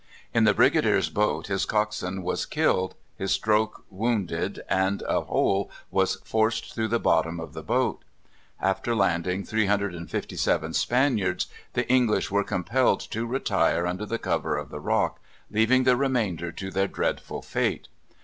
In the Brigadier's boat his coxswain was killed, his stroke wounded, and a hole was forced through the bottom of the boat. After landing 357 Spaniards, the English were compelled to retire under the cover of the Rock, leaving the remainder to their dreadful fate.